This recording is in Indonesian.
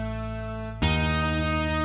yang pada tepat